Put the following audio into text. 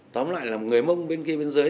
tóm lại là người mông bên kia bên dưới